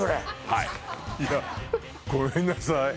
はいごめんなさい